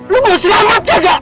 lu mau selamat kagak